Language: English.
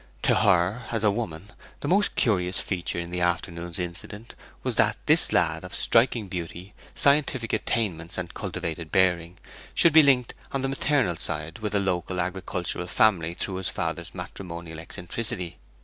To her, as a woman, the most curious feature in the afternoon's incident was that this lad, of striking beauty, scientific attainments, and cultivated bearing, should be linked, on the maternal side, with a local agricultural family through his father's matrimonial eccentricity.